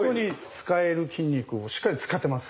使える筋肉をしっかり使ってます。